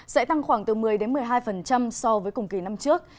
sẽ tăng khoảng từ một mươi một mươi hai so với cùng kỳ năm trước